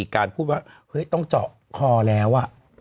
การพูดว่าเฮ้ยต้องเจาะคอแล้ว